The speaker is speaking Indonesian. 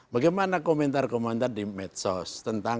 bagaimana komentar komentar di medsos